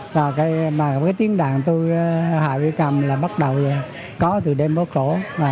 và tiếng đàn hạ uy cầm bắt đầu có từ đêm phố cổ